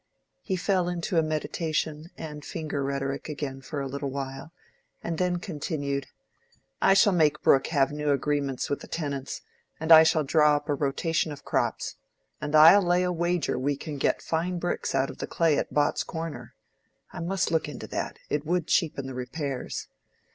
He fell into meditation and finger rhetoric again for a little while, and then continued: "I shall make Brooke have new agreements with the tenants, and I shall draw up a rotation of crops. And I'll lay a wager we can get fine bricks out of the clay at Bott's corner. I must look into that: it would cheapen the repairs.